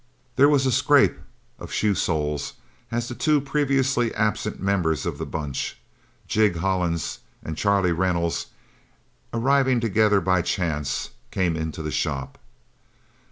There was a scrape of shoe soles, as the two previously absent members of the Bunch, Jig Hollins and Charlie Reynolds, arriving together by chance, came into the shop.